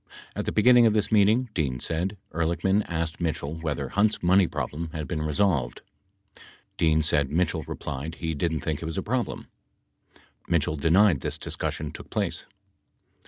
At the beginning of this meeting, Dean said, Ehrlichman asked Mitchell whether Hunt's money problem had been resolved. Dean said Mitchell replied he didn't think it was a problem. 21 Mitchell denied this discussion took place.